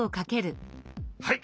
はい！